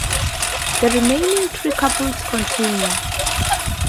The remaining three couples continued.